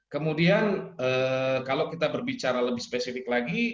kemudian kalau kita berbicara lebih spesifik lagi